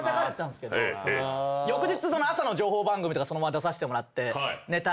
翌日朝の情報番組とかそのまま出させてもらってネタ